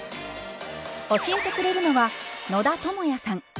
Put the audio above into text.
教えてくれるのは野田智也さん。